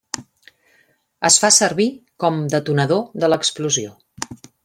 Es fa servir com detonador de l'explosió.